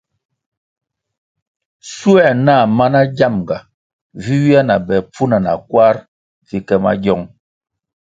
Schuer na mana giamga vi ywia na be pfuna na kwar vi ke magiong.